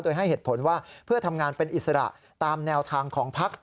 โดยให้เหตุผลว่าเพื่อทำงานเป็นอิสระตามแนวทางของพัก